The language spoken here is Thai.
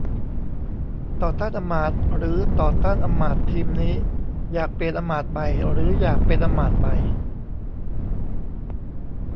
ต่อต้านอำมาตย์ หรือ ต่อต้านอำมาตย์ทีมนี้ อยากเปลี่ยนอำมาตย์ใหม่ หรืออยากเป็นอำมาตย์ใหม่